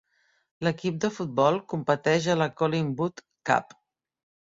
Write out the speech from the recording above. L'equip de futbol competeix a la Collingwood Cup.